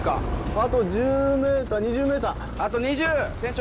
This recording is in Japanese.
あと１０ｍ２０ｍあと２０ｍ！